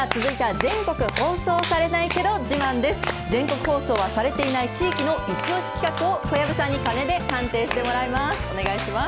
全国放送はされていない地域の一押し企画を小籔さんに鐘で判定してもらいます。